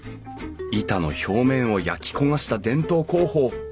板の表面を焼き焦がした伝統工法。